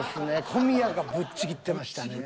小宮がぶっちぎってましたね。